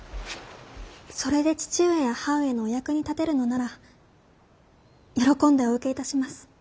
それで父上や母上のお役に立てるのなら喜んでお受けいたします。